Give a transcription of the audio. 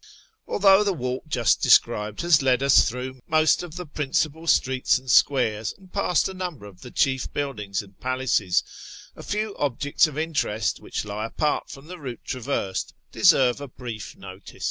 Although the walk just described has led us through most of the principal streets and squares, and past a number of the chief buildings and palaces, a few objects of interest which lie apart from the route traversed deserve a brief notice.